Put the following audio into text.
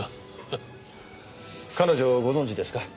彼女をご存じですか？